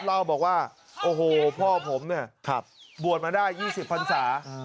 เล่าบอกว่าโอ้โหพ่อผมเนี่ยบวชมาได้๒๐พันศา